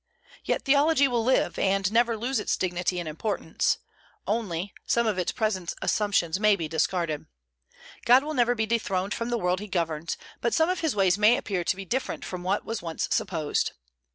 Yet theology will live, and never lose its dignity and importance; only, some of its present assumptions may be discarded. God will never be dethroned from the world he governs; but some of his ways may appear to be different from what was once supposed.